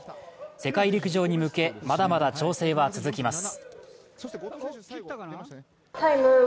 世界陸上に向けまだまだ調整は続きます。